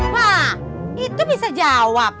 wah itu bisa jawab